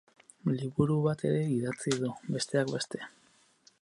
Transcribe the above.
Liburu bat ere idatzi du, besteak beste.